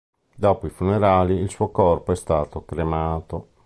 Dopo i funerali, il suo corpo è stato cremato.